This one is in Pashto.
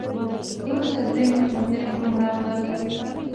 وروسته درې نور ملګري هم راغلل.